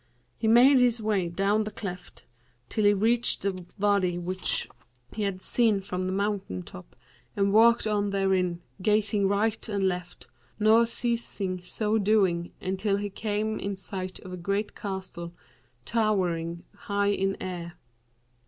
He made his way down the cleft till he reached the Wady which he had seen from the mountain top and walked on therein, gazing right and left, nor ceased so doing until he came in sight of a great castle, towering high in air.